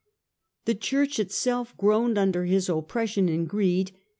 The Church itself groaned under his oppression and greed.